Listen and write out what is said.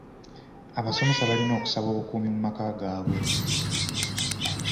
Abasomesa balina okusaba obukuumi mu maka gaabwe.